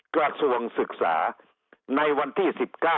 กราศวงศ์ศึกษาในวันที่๑๙